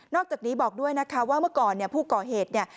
อกจากนี้บอกด้วยนะคะว่าเมื่อก่อนเนี่ยผู้ก่อเหตุเนี่ย